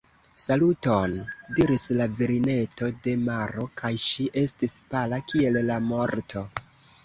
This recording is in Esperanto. « Saluton », diris la virineto de maro kaj ŝi estis pala kiel la morto.